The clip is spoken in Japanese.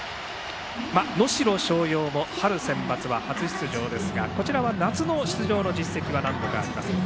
能代松陽も春センバツは初出場ですが夏の出場の実績は何度かあります。